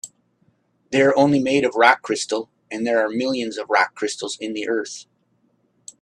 They're only made of rock crystal, and there are millions of rock crystals in the earth.